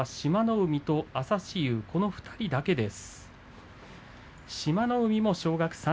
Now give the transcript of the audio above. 海と朝志雄の２人だけです。